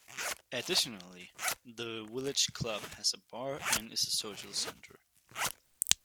Additionally, the Village Club has a bar and is a social centre.